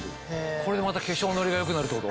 これでまた化粧のりが良くなるってこと？